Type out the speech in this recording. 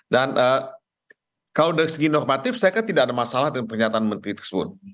dan kalau dari segi normatif saya tidak ada masalah dengan pernyataan menteri tersebut